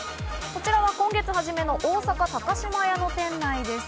こちらは今月はじめの大阪高島屋の店内です。